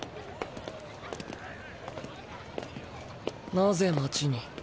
・なぜ町に？